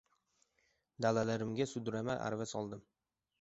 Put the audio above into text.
Dalalarimga sudrama arava soldim.